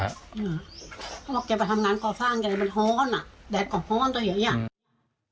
เขาบอกแกไปทำงานก่อสร้างแกเลยมันฮ้อนอ่ะแดดก่อฮ้อนตัวอย่างเงี้ย